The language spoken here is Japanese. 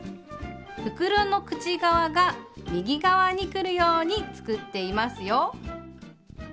袋の口側が右側にくるように作っていますよ。